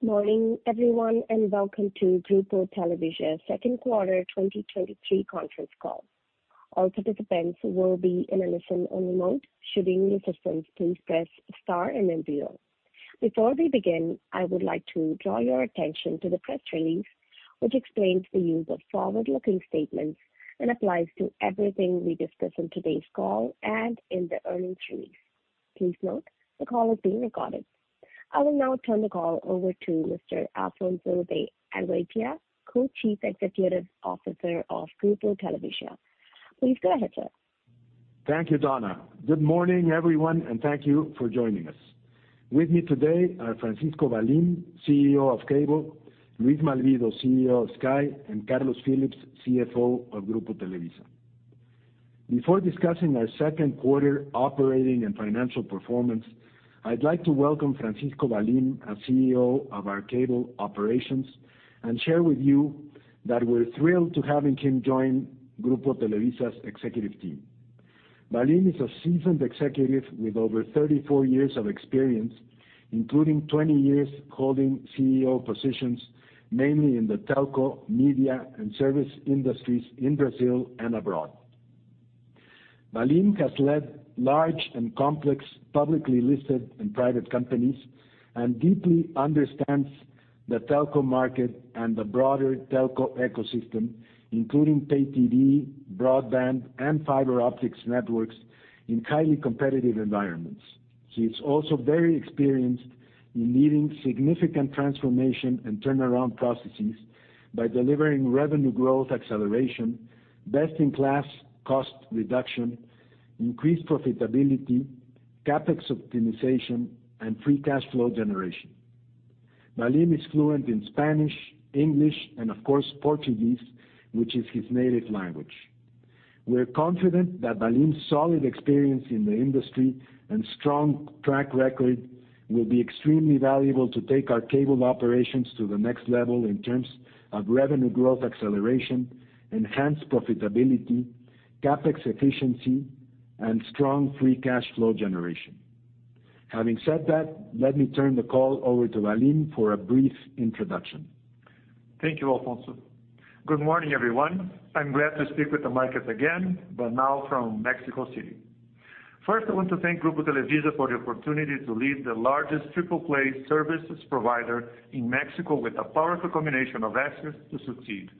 Good mo`rning, everyone, and welcome to Grupo Televisa's second quarter 2023 conference call. All participants will be in a listen-only mode. Should you need assistance, please press star and then zero. Before we begin, I would like to draw your attention to the press release, which explains the use of forward-looking statements and applies to everything we discuss in today's call and in the earnings release. Please note, the call is being recorded. I will now turn the call over to Mr. Alfonso de Angoitia, Co-Chief Executive Officer of Grupo Televisa. Please go ahead, sir. Thank you, Donna. Good morning, everyone, thank you for joining us. With me today are Francisco Valim, CEO of Cable, Luis Malvido, CEO of Sky, and Carlos Phillips, CFO of Grupo Televisa. Before discussing our second quarter operating and financial performance, I'd like to welcome Francisco Valim as CEO of our cable operations and share with you that we're thrilled to having him join Grupo Televisa's executive team. Valim is a seasoned executive with over 34 years of experience, including 20 years holding CEO positions, mainly in the telco, media, and service industries in Brazil and abroad. Valim has led large and complex publicly listed and private companies and deeply understands the telco market and the broader telco ecosystem, including pay TV, broadband, and fiber optics networks in highly competitive environments. He's also very experienced in leading significant transformation and turnaround processes by delivering revenue growth acceleration, best-in-class cost reduction, increased profitability, CapEx optimization, and free cash flow generation. Valim is fluent in Spanish, English, and of course, Portuguese, which is his native language. We're confident that Valim's solid experience in the industry and strong track record will be extremely valuable to take our cable operations to the next level in terms of revenue growth acceleration, enhanced profitability, CapEx efficiency, and strong free cash flow generation. Having said that, let me turn the call over to Valim for a brief introduction. Thank you, Alfonso. Good morning, everyone. I'm glad to speak with the market again, now from Mexico City. First, I want to thank Grupo Televisa for the opportunity to lead the largest triple play services provider in Mexico with a powerful combination of assets to succeed.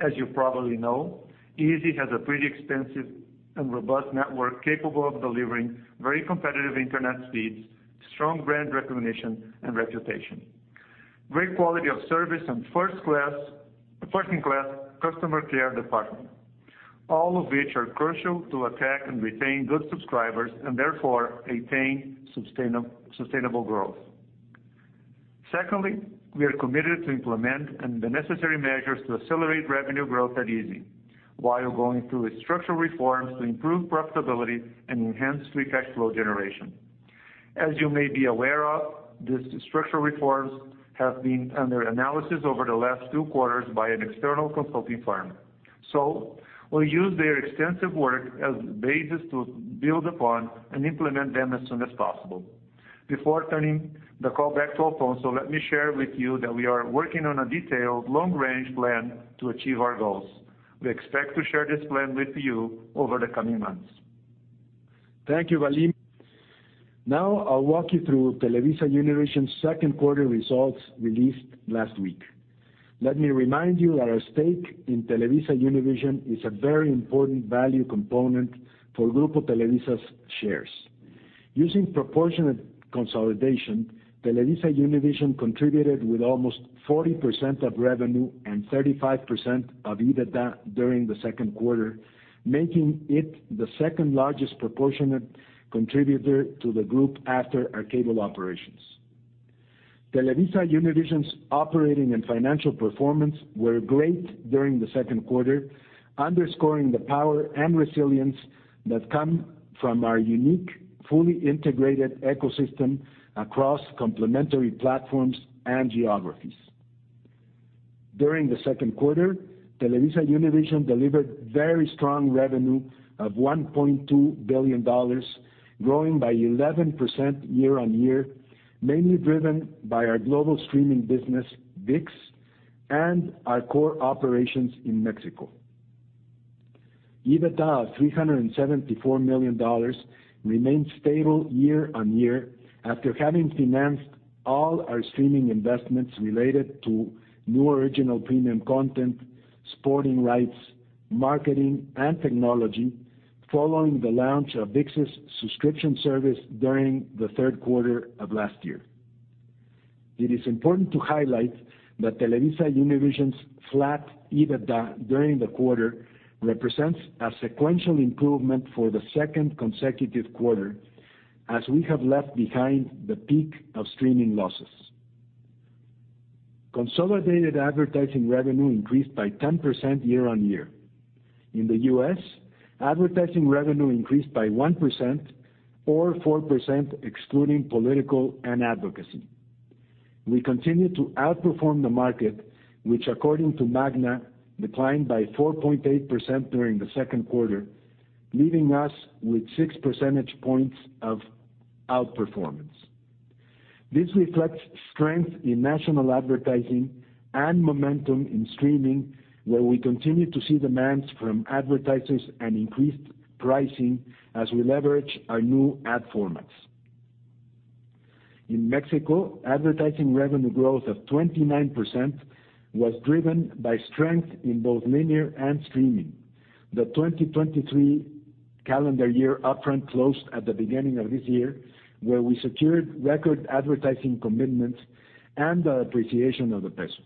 As you probably know, izzi has a pretty extensive and robust network capable of delivering very competitive internet speeds, strong brand recognition and reputation, great quality of service, and first-in-class customer care department, all of which are crucial to attack and retain good subscribers and therefore attain sustainable growth. Secondly, we are committed to implement and the necessary measures to accelerate revenue growth at izzi, while going through structural reforms to improve profitability and enhance free cash flow generation. As you may be aware of, these structural reforms have been under analysis over the last two quarters by an external consulting firm. We'll use their extensive work as a basis to build upon and implement them as soon as possible. Before turning the call back to Alfonso, let me share with you that we are working on a detailed, long-range plan to achieve our goals. We expect to share this plan with you over the coming months. Thank you, Valim. Now, I'll walk you through TelevisaUnivision's second quarter results released last week. Let me remind you that our stake in TelevisaUnivision is a very important value component for Grupo Televisa's shares. Using proportionate consolidation, TelevisaUnivision contributed with almost 40% of revenue and 35% of EBITDA during the second quarter, making it the second largest proportionate contributor to the group after our cable operations. TelevisaUnivision's operating and financial performance were great during the second quarter, underscoring the power and resilience that come from our unique, fully integrated ecosystem across complementary platforms and geographies. During the second quarter, TelevisaUnivision delivered very strong revenue of $1.2 billion, growing by 11% year-over-year, mainly driven by our global streaming business, ViX, and our core operations in Mexico. EBITDA of $374 million remained stable year-on-year after having financed all our streaming investments related to new original premium content, sporting rights, marketing, and technology, following the launch of ViX's subscription service during the third quarter of last year. It is important to highlight that TelevisaUnivision's flat EBITDA during the quarter represents a sequential improvement for the second consecutive quarter, as we have left behind the peak of streaming losses. Consolidated advertising revenue increased by 10% year-on-year. In the U.S., advertising revenue increased by 1% or 4%, excluding political and advocacy. We continue to outperform the market, which according to MAGNA, declined by 4.8% during the second quarter. leaving us with 6 percentage points of outperformance. This reflects strength in national advertising and momentum in streaming, where we continue to see demands from advertisers and increased pricing as we leverage our new ad formats. In Mexico, advertising revenue growth of 29% was driven by strength in both linear and streaming. The 2023 calendar year upfront closed at the beginning of this year, where we secured record advertising commitments and the appreciation of the peso.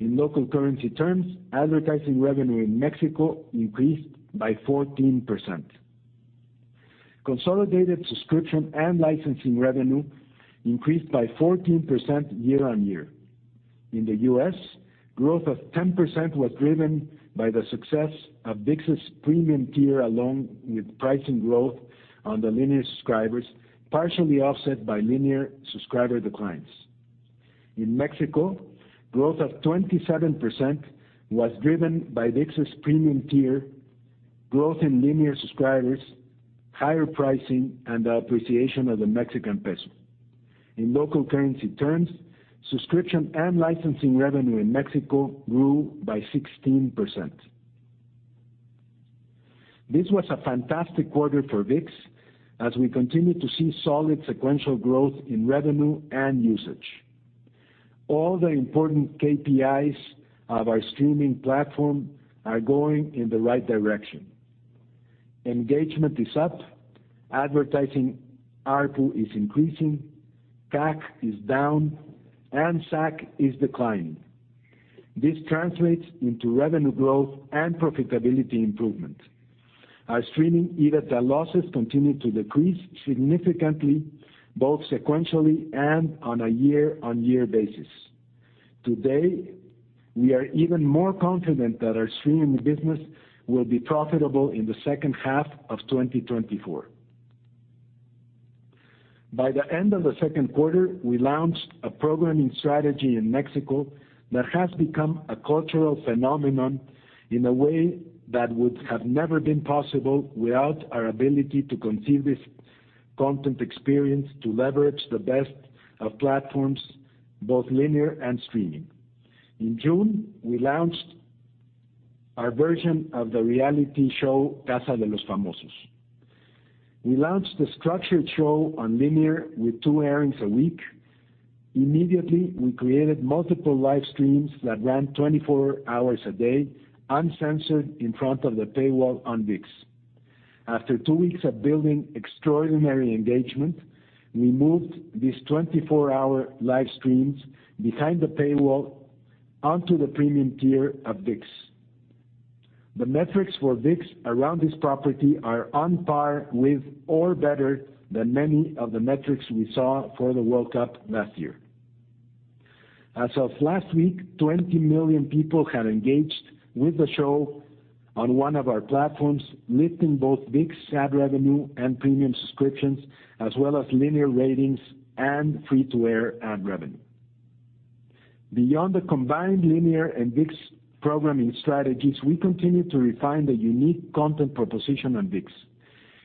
In local currency terms, advertising revenue in Mexico increased by 14%. Consolidated subscription and licensing revenue increased by 14% year-on-year. In the U.S., growth of 10% was driven by the success of ViX's premium tier, along with pricing growth on the linear subscribers, partially offset by linear subscriber declines. In Mexico, growth of 27% was driven by ViX's premium tier, growth in linear subscribers, higher pricing, and the appreciation of the Mexican peso. In local currency terms, subscription and licensing revenue in Mexico grew by 16%. This was a fantastic quarter for ViX, as we continue to see solid sequential growth in revenue and usage. All the important KPIs of our streaming platform are going in the right direction. Engagement is up, advertising ARPU is increasing, CAC is down, and SAC is declining. This translates into revenue growth and profitability improvement. Our streaming EBITDA losses continue to decrease significantly, both sequentially and on a year-on-year basis. Today, we are even more confident that our streaming business will be profitable in the second half of 2024. By the end of the second quarter, we launched a programming strategy in Mexico that has become a cultural phenomenon in a way that would have never been possible without our ability to conceive this content experience to leverage the best of platforms, both linear and streaming. In June, we launched our version of the reality show, La Casa de los Famosos. We launched the structured show on linear with two airings a week. Immediately, we created multiple live streams that ran 24 hours a day, uncensored, in front of the paywall on ViX. After two weeks of building extraordinary engagement, we moved these 24-hour live streams behind the paywall onto the premium tier of ViX. The metrics for ViX around this property are on par with or better than many of the metrics we saw for the World Cup last year. As of last week, 20 million people have engaged with the show on one of our platforms, lifting both ViX ad revenue and premium subscriptions, as well as linear ratings and free-to-air ad revenue. Beyond the combined linear and ViX programming strategies, we continue to refine the unique content proposition on ViX.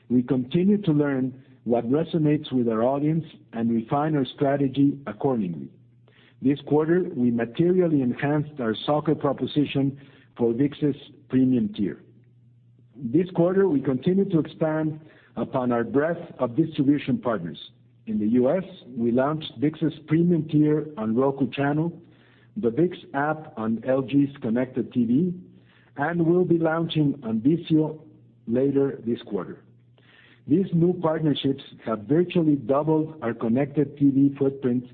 We continue to learn what resonates with our audience and refine our strategy accordingly. This quarter, we materially enhanced our soccer proposition for ViX's premium tier. This quarter, we continued to expand upon our breadth of distribution partners. In the U.S., we launched ViX's premium tier on The Roku Channel, the ViX app on LG's Connected TV, and will be launching on VIZIO later this quarter. These new partnerships have virtually doubled our Connected TV footprint,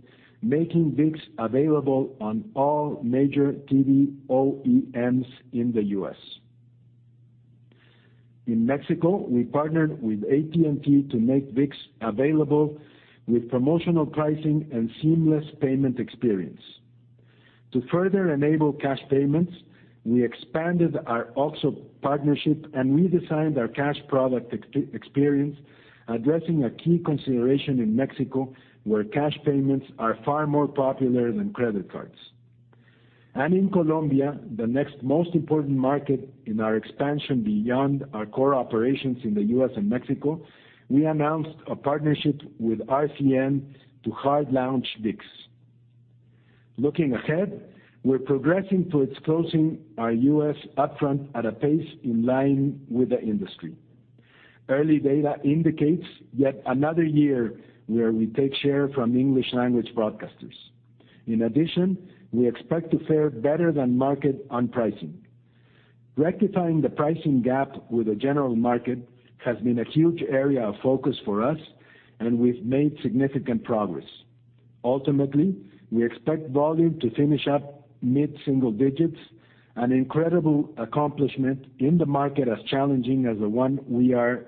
making ViX available on all major TV OEMs in the U.S. In Mexico, we partnered with AT&T to make ViX available with promotional pricing and seamless payment experience. To further enable cash payments, we expanded our OXXO partnership and redesigned our cash product experience, addressing a key consideration in Mexico, where cash payments are far more popular than credit cards. In Colombia, the next most important market in our expansion beyond our core operations in the U.S. and Mexico, we announced a partnership with RCN to hard launch ViX. Looking ahead, we're progressing towards closing our U.S. upfront at a pace in line with the industry. Early data indicates yet another year where we take share from English language broadcasters. In addition, we expect to fare better than market on pricing. Rectifying the pricing gap with the general market has been a huge area of focus for us, and we've made significant progress. Ultimately, we expect volume to finish up mid-single digits, an incredible accomplishment in the market as challenging as the one we are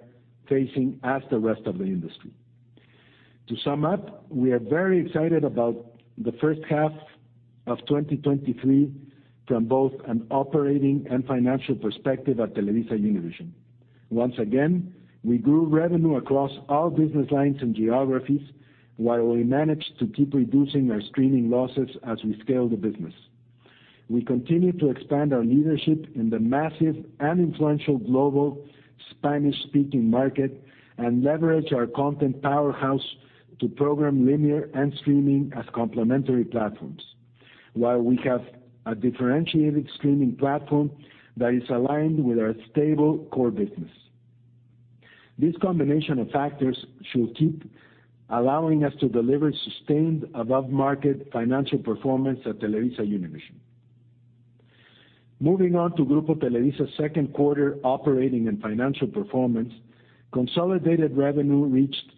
facing as the rest of the industry. To sum up, we are very excited about the first half of 2023 from both an operating and financial perspective at TelevisaUnivision. Once again, we grew revenue across all business lines and geographies, while we managed to keep reducing our streaming losses as we scale the business. We continue to expand our leadership in the massive and influential global Spanish-speaking market, and leverage our content powerhouse to program linear and streaming as complementary platforms, while we have a differentiated streaming platform that is aligned with our stable core business. This combination of factors should keep allowing us to deliver sustained, above-market financial performance at TelevisaUnivision. Moving on to Grupo Televisa's second quarter operating and financial performance, consolidated revenue reached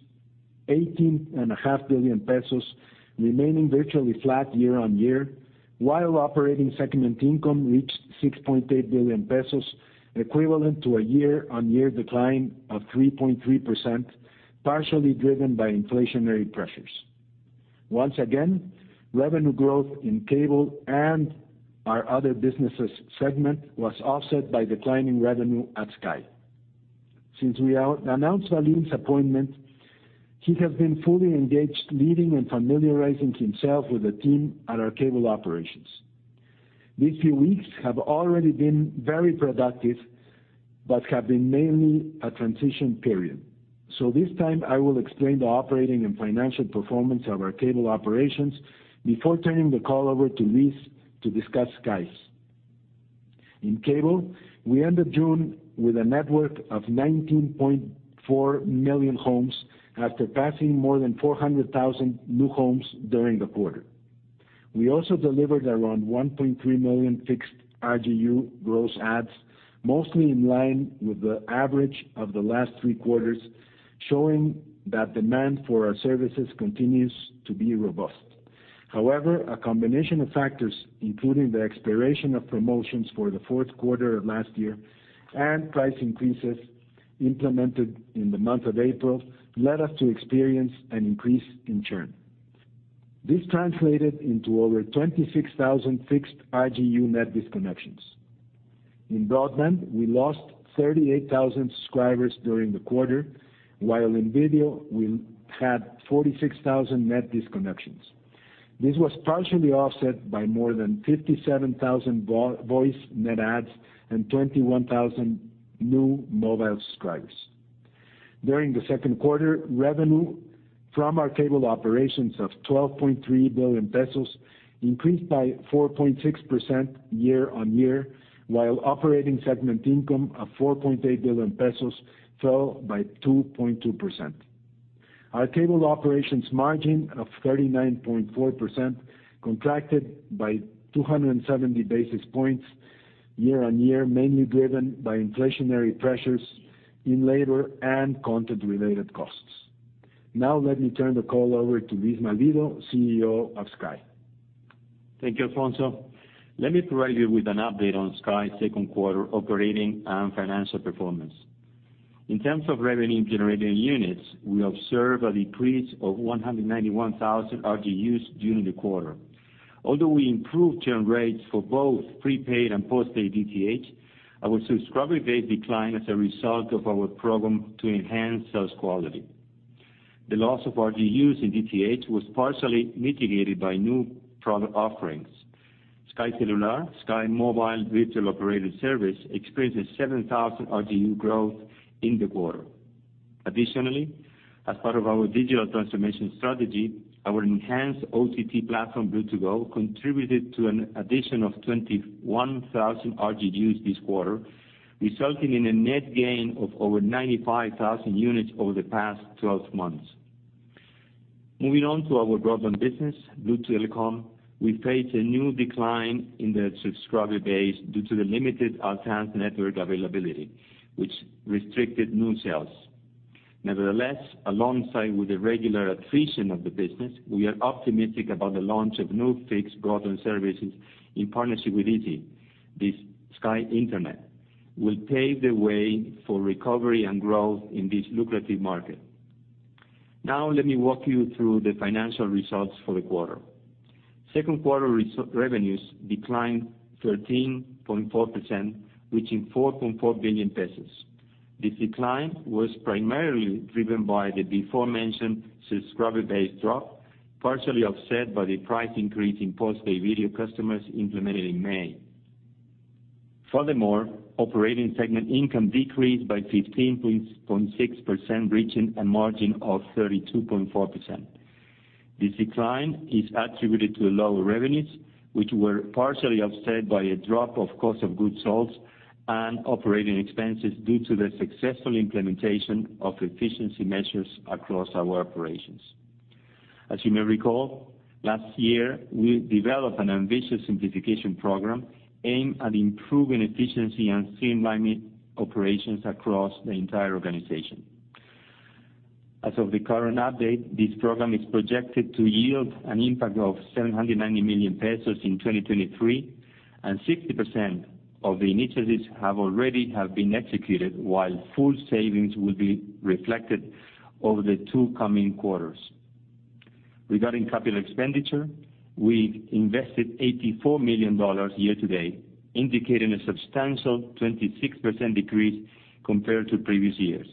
eighteen and a half billion pesos, remaining virtually flat year-on-year, while operating segment income reached 6.8 billion pesos, equivalent to a year-on-year decline of 3.3%, partially driven by inflationary pressures. Once again, revenue growth in cable and our other businesses segment was offset by declining revenue at Sky. Since we announced Valim's appointment, he has been fully engaged, leading and familiarizing himself with the team at our cable operations. These few weeks have already been very productive, but have been mainly a transition period. This time, I will explain the operating and financial performance of our cable operations before turning the call over to Luis to discuss Sky. In cable, we ended June with a network of 19.4 million homes after passing more than 400,000 new homes during the quarter. We also delivered around 1.3 million fixed RGU gross adds, mostly in line with the average of the last three quarters, showing that demand for our services continues to be robust. A combination of factors, including the expiration of promotions for the fourth quarter of last year and price increases implemented in the month of April, led us to experience an increase in churn. This translated into over 26,000 fixed RGU net disconnections. In broadband, we lost 38,000 subscribers during the quarter, while in video, we had 46,000 net disconnections. This was partially offset by more than 57,000 voice net adds and 21,000 new mobile subscribers. During the second quarter, revenue from our cable operations of 12.3 billion pesos increased by 4.6% year-on-year, while operating segment income of 4.8 billion pesos fell by 2.2%. Our cable operations margin of 39.4% contracted by 270 basis points year-on-year, mainly driven by inflationary pressures in labor and content-related costs. Now let me turn the call over to Luis Malvido, CEO of Sky. Thank you, Alfonso. Let me provide you with an update on Sky's second quarter operating and financial performance. In terms of revenue-generating units, we observed a decrease of 191,000 RGUs during the quarter. Although we improved churn rates for both prepaid and postpaid DTH, our subscriber base declined as a result of our program to enhance sales quality. The loss of RGUs in DTH was partially mitigated by new product offerings. Sky Celular, Sky Mobile Virtual Operator Service, experienced a 7,000 RGU growth in the quarter. Additionally, as part of our digital transformation strategy, our enhanced OTT platform, Blue To Go, contributed to an addition of 21,000 RGUs this quarter, resulting in a net gain of over 95,000 units over the past 12 months. Moving on to our broadband business, Blue Telecomm, we faced a new decline in the subscriber base due to the limited advanced network availability, which restricted new sales. Alongside with the regular attrition of the business, we are optimistic about the launch of new fixed broadband services in partnership with AT&T. This Sky Internet will pave the way for recovery and growth in this lucrative market. Let me walk you through the financial results for the quarter. Second quarter revenues declined 13.4%, reaching 4.4 billion pesos. This decline was primarily driven by the before-mentioned subscriber-based drop, partially offset by the price increase in postpaid video customers implemented in May. Operating segment income decreased by 15.6%, reaching a margin of 32.4%. This decline is attributed to lower revenues, which were partially offset by a drop of cost of goods sold and operating expenses due to the successful implementation of efficiency measures across our operations. As you may recall, last year, we developed an ambitious simplification program aimed at improving efficiency and streamlining operations across the entire organization. As of the current update, this program is projected to yield an impact of 790 million pesos in 2023, and 60% of the initiatives have already been executed, while full savings will be reflected over the two coming quarters. Regarding capital expenditure, we invested $84 million year to date, indicating a substantial 26% decrease compared to previous years.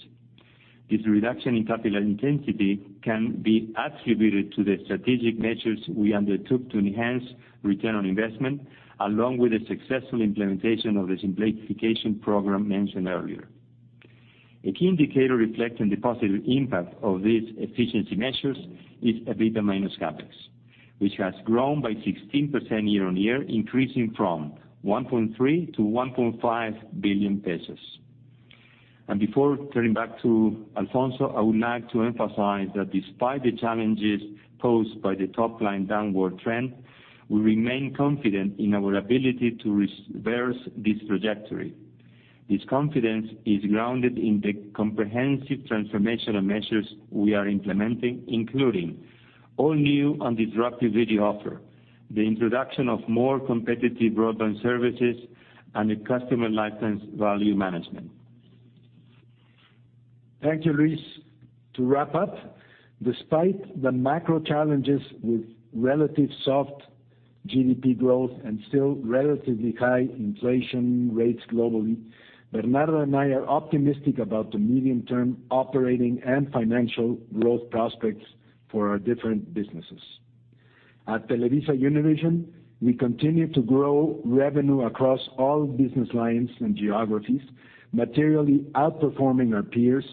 This reduction in capital intensity can be attributed to the strategic measures we undertook to enhance return on investment, along with the successful implementation of the simplification program mentioned earlier. A key indicator reflecting the positive impact of these efficiency measures is EBITDA minus CapEx, which has grown by 16% year-on-year, increasing from 1.3 billion-1.5 billion pesos. Before turning back to Alfonso, I would like to emphasize that despite the challenges posed by the top-line downward trend, we remain confident in our ability to reverse this trajectory. This confidence is grounded in the comprehensive transformational measures we are implementing, including all new and disruptive video offer, the introduction of more competitive broadband services, and the customer lifetime value management. Thank you, Luis. To wrap up, despite the macro challenges with relative soft GDP growth and still relatively high inflation rates globally, Bernardo and I are optimistic about the medium-term operating and financial growth prospects for our different businesses. At TelevisaUnivision, we continue to grow revenue across all business lines and geographies, materially outperforming our peers,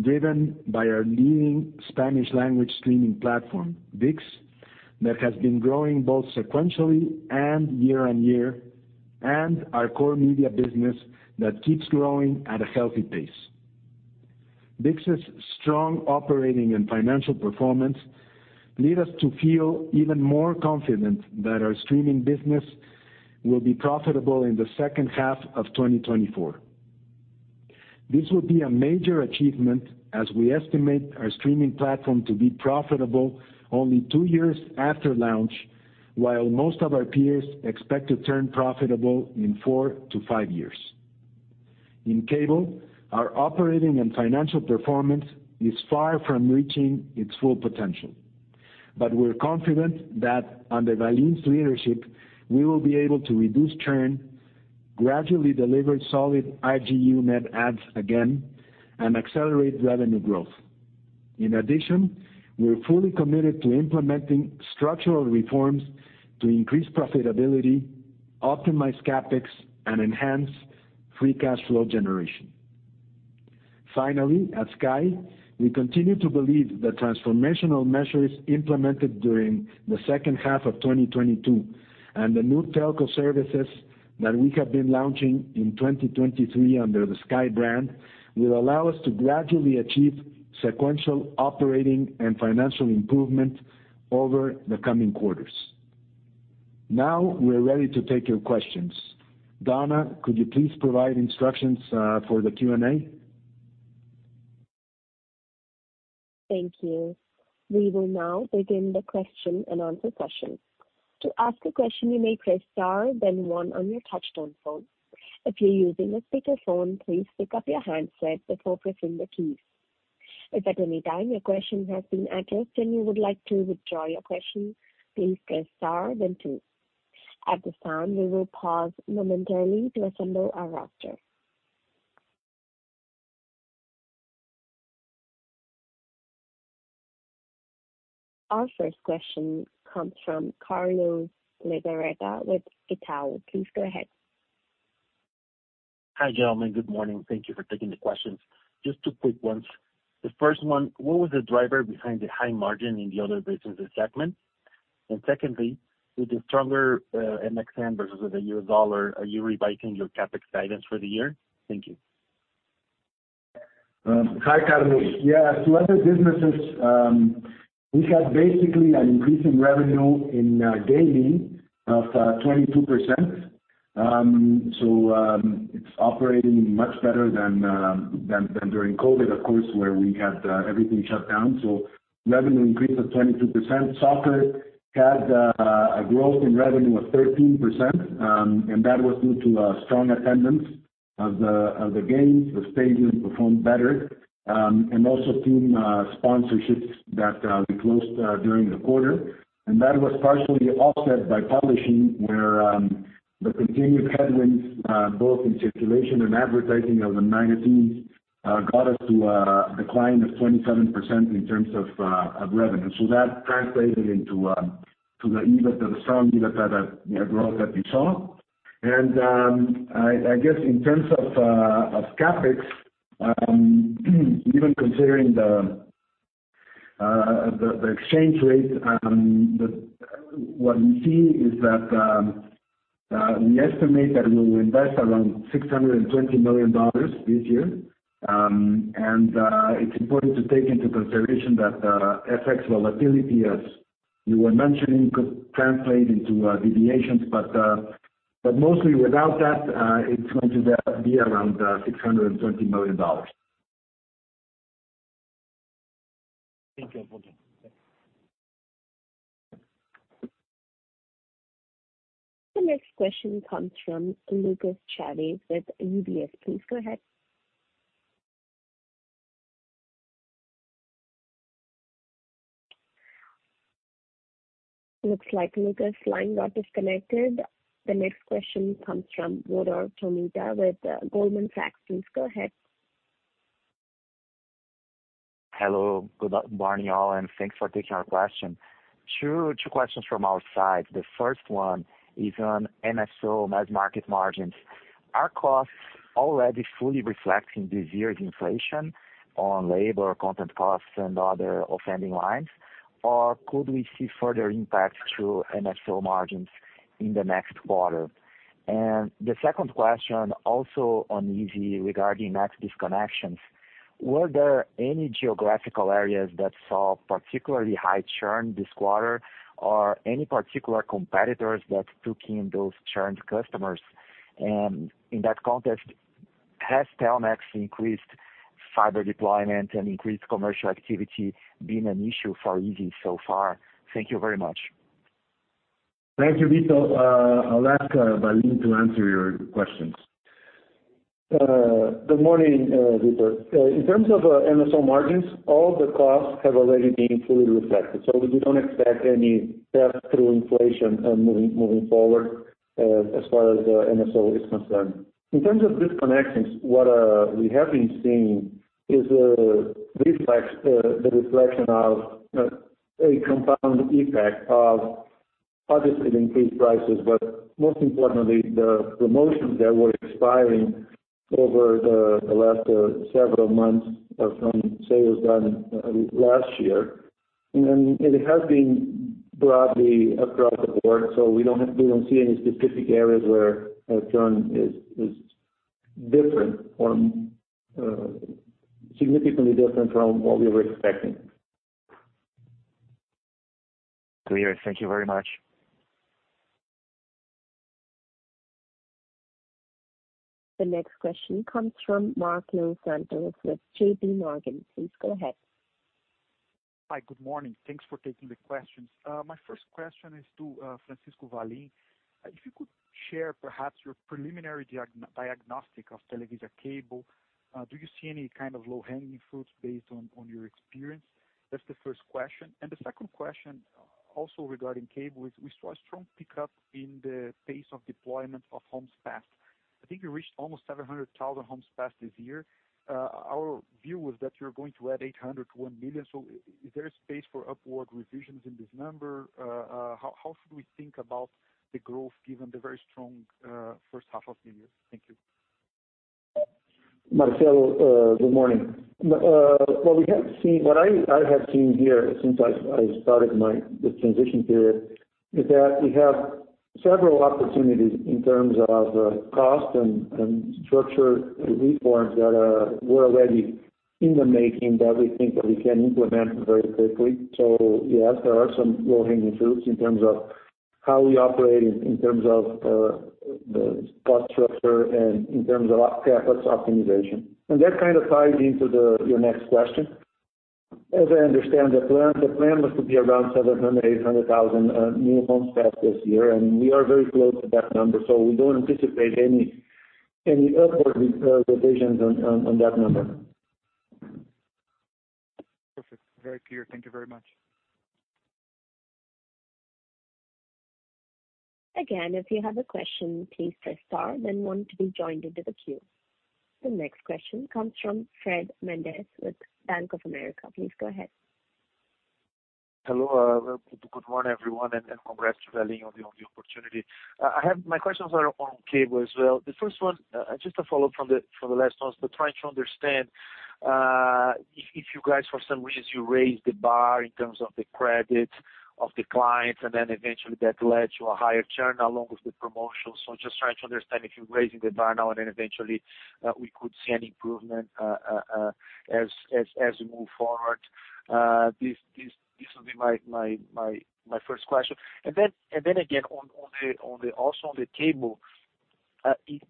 driven by our leading Spanish-language streaming platform, ViX, that has been growing both sequentially and year-on-year, and our core media business that keeps growing at a healthy pace. ViX's strong operating and financial performance lead us to feel even more confident that our streaming business will be profitable in the second half of 2024. This will be a major achievement as we estimate our streaming platform to be profitable only two years after launch, while most of our peers expect to turn profitable in four to five years. In Cable, our operating and financial performance is far from reaching its full potential, but we're confident that under Valim's leadership, we will be able to reduce churn, gradually deliver solid RGU net adds again, and accelerate revenue growth. We are fully committed to implementing structural reforms to increase profitability, optimize CapEx, and enhance free cash flow generation. At Sky, we continue to believe the transformational measures implemented during the second half of 2022, and the new telco services that we have been launching in 2023 under the Sky brand, will allow us to gradually achieve sequential operating and financial improvement over the coming quarters. We're ready to take your questions. Donna, could you please provide instructions for the Q&A? Thank you. We will now begin the question-and-answer session. To ask a question, you may press star then one on your touchtone phone. If you're using a speakerphone, please pick up your handset before pressing the keys. If at any time your question has been addressed and you would like to withdraw your question, please press star then two. At the sound, we will pause momentarily to assemble our roster. Our first question comes from Carlos de Legarreta with Itaú. Please go ahead. Hi, gentlemen. Good morning. Thank you for taking the questions. Just two quick ones. The first one, what was the driver behind the high margin in the other business segment? Secondly, with the stronger MXN versus the U.S. dollar, are you revising your CapEx guidance for the year? Thank you. Hi, Carlos. Yeah, to other businesses, we had basically an increase in revenue in gaming of 22%. So, it's operating much better than during COVID, of course, where we had everything shut down. Revenue increased to 22%. Soccer had a growth in revenue of 13%, and that was due to a strong attendance of the games. The stadiums performed better, and also team sponsorships that we closed during the quarter. That was partially offset by publishing, where the continued headwinds, both in circulation and advertising of the magazines, got us to a decline of 27% in terms of revenue. That translated into the EBITDA, the strong EBITDA growth that we saw. I guess in terms of CapEx, even considering the exchange rate, what we see is that we estimate that we will invest around $620 million this year. It's important to take into consideration that FX volatility, as you were mentioning, could translate into deviations. Mostly without that, it's going to be around $620 million. Thank you. The next question comes from Lucas Chaves with UBS. Please go ahead. Looks like Lucas line got disconnected. The next question comes from Vitor Tomita, with Goldman Sachs. Please go ahead. Hello. Good morning, all, thanks for taking our question. Two questions from our side. The first one is on MSO, mass market margins. Are costs already fully reflecting this year's inflation on labor, content costs, and other offending lines? Could we see further impacts through MSO margins in the next quarter? The second question, also on izzi, regarding max disconnections. Were there any geographical areas that saw particularly high churn this quarter, or any particular competitors that took in those churned customers? In that context, has Telmex increased fiber deployment and increased commercial activity been an issue for izzi so far? Thank you very much. Thank you, Vitor. I'll ask Valim to answer your questions. Good morning, Vitor. In terms of MSO margins, all the costs have already been fully reflected. We don't expect any pass-through inflation moving forward as far as MSO is concerned. In terms of disconnections, what we have been seeing is the reflection of a compound impact of obviously the increased prices, but most importantly, the promotions that were expiring over the last several months from sales done last year. It has been broadly across the board. We don't see any specific areas where churn is different from significantly different from what we were expecting. Clear. Thank you very much. The next question comes from Marcelo Santos with JP Morgan. Please go ahead. Hi, good morning. Thanks for taking the questions. My first question is to Francisco Valim. If you could share perhaps your preliminary diagnostic of Televisa Cable. Do you see any kind of low-hanging fruits based on your experience? That's the first question. The second question, also regarding Cable, is we saw a strong pickup in the pace of deployment of homes passed. I think you reached almost 700,000 homes passed this year. Our view was that you're going to add 800 to one million. Is there a space for upward revisions in this number? How should we think about the growth given the very strong first half of the year? Thank you. Marcelo, good morning. What we have seen, what I have seen here since I started this transition period, is that we have several opportunities in terms of cost and structure reforms that were already in the making, that we think that we can implement very quickly. Yes, there are some low-hanging fruits in terms of how we operate, in terms of the cost structure and in terms of CapEx optimization. That kind of ties into your next question. As I understand the plan, the plan was to be around 700,000-800,000 new homes passed this year, and we are very close to that number, so we don't anticipate any upward revisions on that number. Perfect. Very clear. Thank you very much. Again, if you have a question, please press Star, then 1 to be joined into the queue. The next question comes from Fred Mendes with Bank of America. Please go ahead. Hello, good morning, everyone, and congrats to Valim on the, on the opportunity. I have, my questions are on Cable as well. The first one, just a follow-up from the, from the last ones, but trying to understand, if you guys, for some reason, you raised the bar in terms of the credit of the clients, and then eventually that led to a higher churn along with the promotions. Just trying to understand if you're raising the bar now, and then eventually, we could see an improvement as you move forward. This will be my first question. Again, on the, also on the Cable,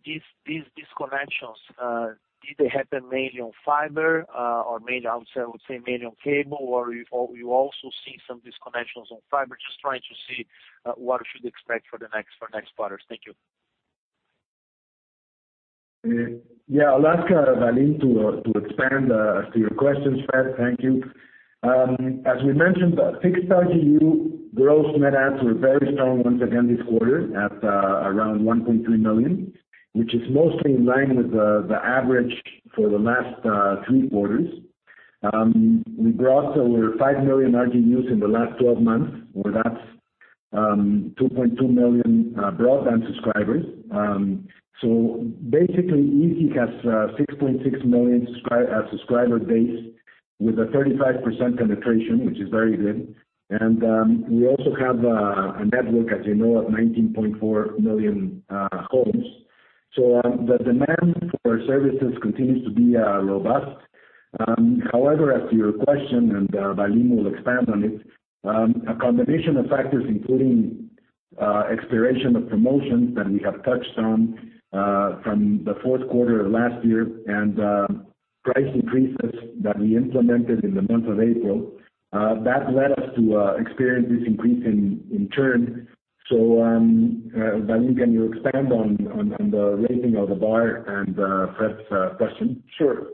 these disconnections, did they happen mainly on fiber, or mainly, I would say, on cable or you also see some disconnections on fiber? Just trying to see, what we should expect for the next quarters. Thank you. Yeah. I'll ask Valim to expand to your questions, Fred. Thank you. As we mentioned, fixed RGU gross net adds were very strong once again this quarter, at around 1.3 million, which is mostly in line with the average for the last three quarters. We brought over five million RGUs in the last 12 months, where that's 2.2 million broadband subscribers. Basically, izzi has a 6.6 million subscriber base with a 35% penetration, which is very good. We also have a network, as you know, of 19.4 million homes. The demand for services continues to be robust. However, as to your question, and Valim will expand on it, a combination of factors, including expiration of promotions that we have touched on from the fourth quarter of last year, and price increases that we implemented in the month of April, that led us to experience this increase in churn. Valim, can you expand on the raising of the bar and Fred's question? Sure.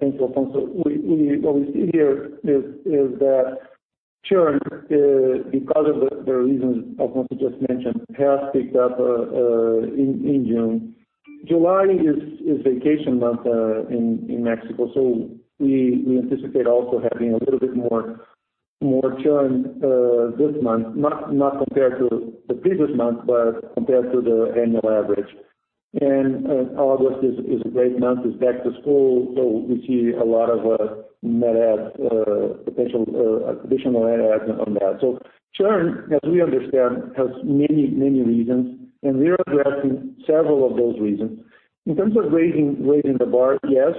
Thank you, Alfonso. What we see here is that churn, because of the reasons Alfonso just mentioned, has picked up in June. July is vacation month in Mexico, so we anticipate also having a little bit more churn this month, not compared to the previous month, but compared to the annual average. August is a great month, it's back to school, so we see a lot of net add potential, additional net add on that. Churn, as we understand, has many, many reasons, and we are addressing several of those reasons. In terms of raising the bar, yes,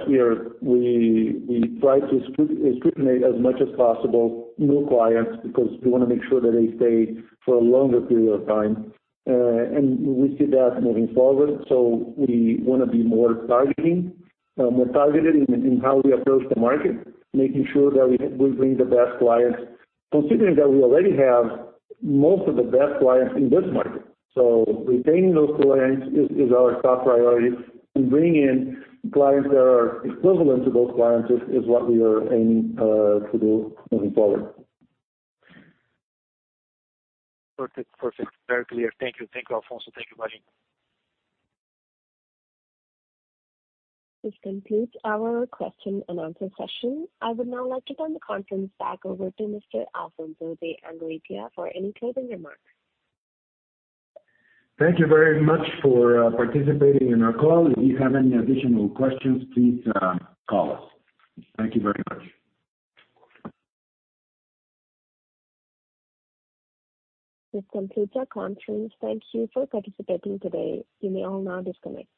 we try to discriminate as much as possible new clients, because we wanna make sure that they stay for a longer period of time. We see that moving forward. We wanna be more targeting, more targeted in how we approach the market, making sure that we bring the best clients, considering that we already have most of the best clients in this market. Retaining those clients is our top priority, and bringing in clients that are equivalent to those clients is what we are aiming to do moving forward. Perfect. Perfect. Very clear. Thank you. Thank you, Alfonso. Thank you, Valim. This concludes our question and answer session. I would now like to turn the conference back over to Mr. Alfonso de Angoitia for any closing remarks. Thank you very much for participating in our call. If you have any additional questions, please call us. Thank you very much. This completes our conference. Thank you for participating today. You may all now disconnect.